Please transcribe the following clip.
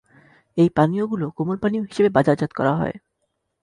এই পানীয়গুলো কোমল পানীয় হিসেবে বাজারজাত করা হয়।